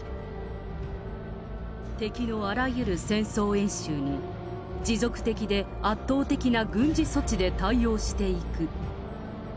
敵のあらゆる戦争演習に、持続的で圧倒的な軍事措置で対応していく。